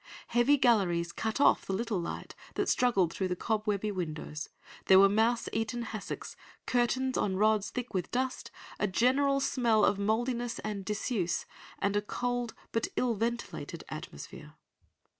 Heavy galleries cut off the little light that struggled through the cobwebby windows. There were mouse eaten hassocks, curtains on rods thick with dust, a general smell of mouldiness and disuse, and a cold, but ill ventilated, atmosphere.